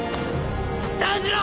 炭治郎！